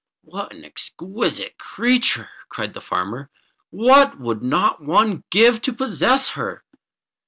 "What an exquisite creature!" cried the farmer. "What would not one give to possess her?"